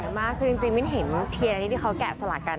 สวยมากก็ยังเห็นทีเรนนี่ที่เขาแกะสลากัน